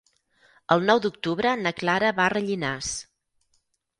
El nou d'octubre na Clara va a Rellinars.